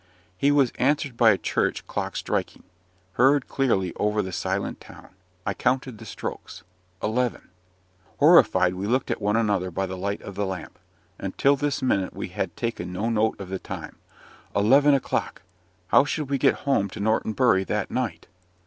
He was answered by a church clock striking, heard clearly over the silent town. I counted the strokes ELEVEN! Horrified, we looked at one another by the light of the lamp. Until this minute we had taken no note of time. Eleven o'clock! How should we get home to Norton Bury that night?